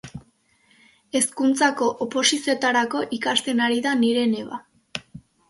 Hezkuntzako oposizioetarako ikasten ari da nire neba.